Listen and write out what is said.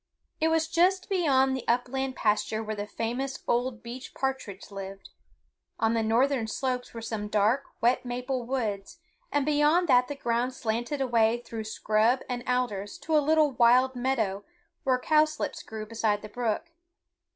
It was just beyond the upland pasture where the famous Old Beech Partridge lived. On the northern slopes were some dark, wet maple woods, and beyond that the ground slanted away through scrub and alders to a little wild meadow where cowslips grew beside the brook.